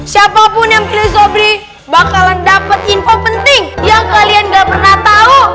siapapun yang freezobri bakalan dapat info penting yang kalian gak pernah tahu